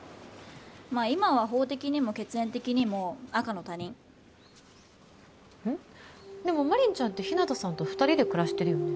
まあ今は法的にも血縁的にも赤の他人うん？でも真凛ちゃんって日向さんと２人で暮らしてるよね